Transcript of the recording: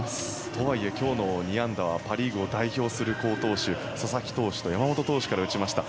とはいえ今日の２安打はパ・リーグを代表する好投手佐々木投手と山本投手から打ちました。